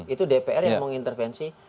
itu dpr yang mau intervensi